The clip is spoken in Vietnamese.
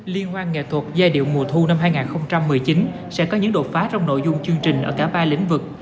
liên hoan nghệ thuật giai điệu mùa thu năm hai nghìn một mươi chín sẽ có những đột phá trong nội dung chương trình ở cả ba lĩnh vực